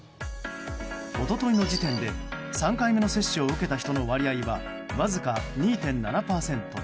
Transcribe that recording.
一昨日の時点で３回目の接種を受けた人の割合はわずか２．７％。